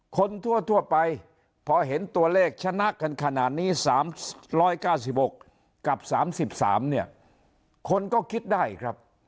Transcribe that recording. คนทั่วไปพอเห็นตัวเลขชนะกันขนาดนี้๓๙๖กับ๓๓เนี่ยคนก็คิดได้ครับ